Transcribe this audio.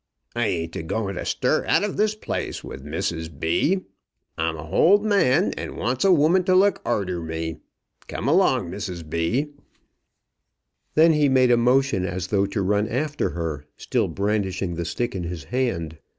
I ain't a going to stir out of this place without Mrs B. I'm a hold man, and wants a woman to look arter me. Come along, Mrs B." Then he made a motion as though to run after her, still brandishing the stick in his hand.